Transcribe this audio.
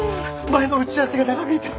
前の打ち合わせが長引いて。